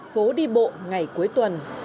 phố đi bộ ngày cuối tuần